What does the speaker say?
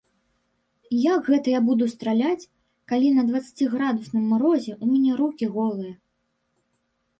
Як гэта я буду страляць, калі на дваццаціградусным марозе ў мяне рукі голыя?